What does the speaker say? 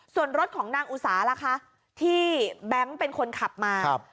ส่วนรถของนางอุสาล่ะคะที่แบงค์เป็นคนขับมา